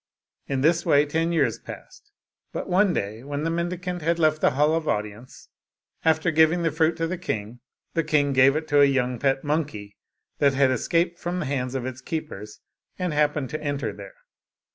In this way ten years passed, but one day, when the mendicant had left the hall of audience, after giv ing the fruit to the king, the king gave it to a young pet monkey, that had escaped from the hands of its keepers, and happened to enter there.